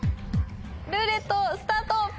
ルーレットスタート！